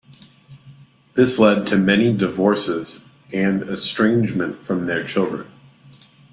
This led to many divorces and estrangement from their children.